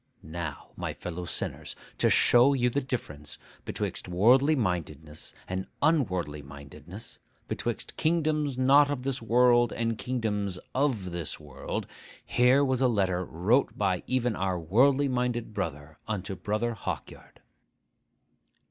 Now, my fellow sinners, to show you the difference betwixt worldly mindedness and unworldly mindedness, betwixt kingdoms not of this world and kingdoms of this world, here was a letter wrote by even our worldly minded brother unto Brother Hawkyard.